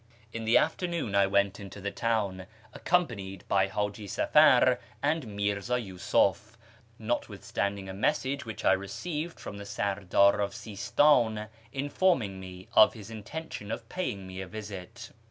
In the afternoon I went into the town, accompanied by Hiiji Safar and Mi'rza Yusuf, notwithstanding a message wliich I received from the Sardar of Sist; hi informing me of his intention of paying me a visit.